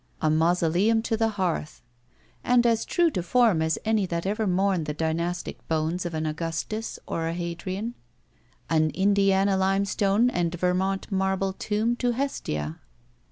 A mausoletim to the hearth. And as true to form as any that ever mourned the dynastic bones of an Augustus or a Hadrian. An Indiana limestone and Vermont marble tomb to Hestia.